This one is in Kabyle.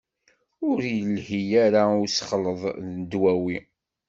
Ur ilhi ara usexleḍ n ddwawi.